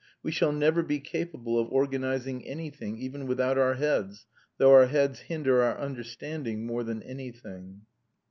We shall never be capable of organising anything even without our heads, though our heads hinder our understanding more than anything."